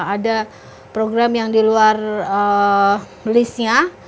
ada program yang di luar listnya